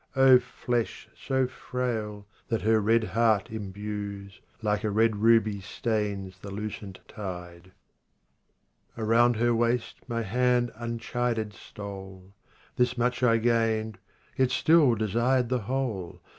O flesh so frail that her red heart imbues ! liike a red ruby stains the lucent tid^. 42 EXJBAIYAT OF HAFIZ 12 Around her waist my hand unchided stole : This much I gained, yet still desired the whole.